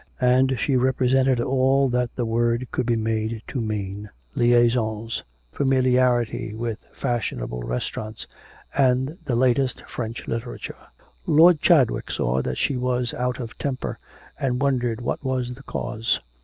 And she represented all that the word could be made to mean liaisons, familiarity with fashionable restaurants, and the latest French literature. Lord Chadwick saw that she was out of temper, and wondered what was the cause.